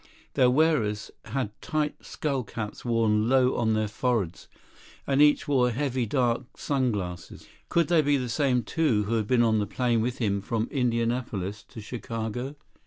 Their wearers had tight skull caps worn low on their foreheads, and each wore heavy, dark sun glasses. Could they be the same two who had been on the plane with him from Indianapolis to Chicago?